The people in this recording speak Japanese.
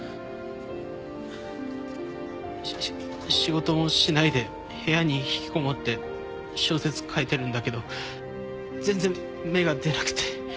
しし仕事もしないで部屋に引きこもって小説書いてるんだけど全然芽が出なくて